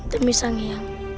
demi sang iam